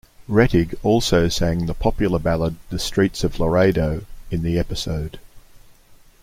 Rettig also sang the popular ballad "The Streets of Laredo" in the episode.